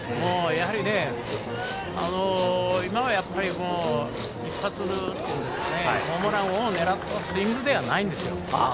やはり、今の一発はホームランを狙ったスイングではないんですよ。